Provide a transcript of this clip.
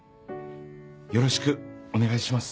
よろしくお願いします。